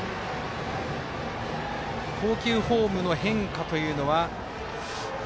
投球フォームの変化というのは？